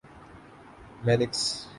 مینکس